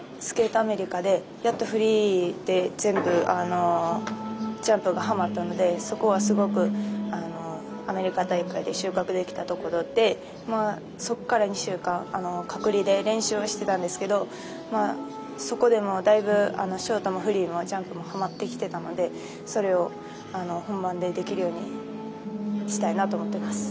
アメリカでやっとフリーで全部ジャンプがはまったのでそこはすごくアメリカ大会で収穫できたところでそこから２週間隔離で練習はしてたんですけどそこでも、だいぶショートもフリーもジャンプもはまってきてたのでそれを本番でできるようにしたいなと思っています。